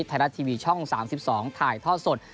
ไทยรัฐทีวีช่อง๓๒ถ่ายทอดสด